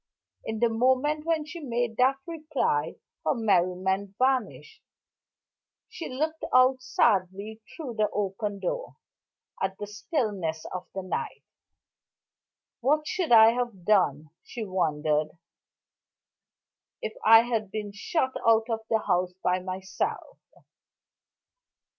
In the moment when she made that reply her merriment vanished; she looked out sadly, through the open door, at the stillness of the night. "What should I have done," she wondered, "if I had been shut out of the house by myself?"